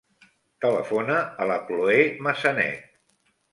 Telefona a la Chloé Massanet.